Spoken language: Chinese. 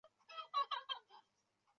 主教座堂设在图卢兹。